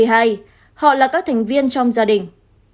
họ là các thành viên trong gia đình